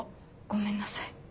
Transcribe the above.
ごめんなさい。